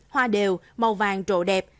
hoa đều màu vàng trộn đẹp